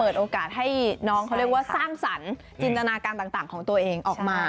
โอกาสให้น้องเขาเรียกว่าสร้างสรรค์จินตนาการต่างของตัวเองออกมา